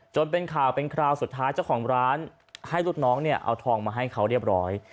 เป็นข่าวเป็นคราวสุดท้ายเจ้าของร้านให้ลูกน้องเนี่ยเอาทองมาให้เขาเรียบร้อย